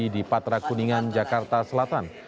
di patra kuningan jakarta selatan